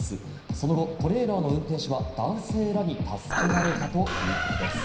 その後、トレーラーの運転手は男性らに助けられたということです。